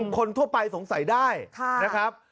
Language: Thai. คนทั่วไปสงสัยได้นะครับ